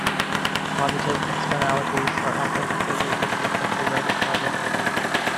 Positive externalities are often associated with the free rider problem.